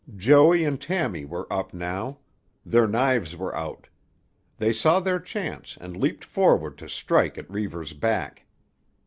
Joey and Tammy were up now. Their knives were out. They saw their chance and leaped forward to strike at Reivers' back.